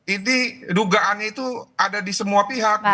ini dugaannya itu ada di semua pihak